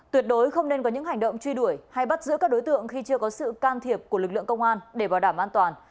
tuyệt đối không nên có những hành động truy đuổi hay bắt giữ các đối tượng khi chưa có sự can thiệp của lực lượng công an để bảo đảm an toàn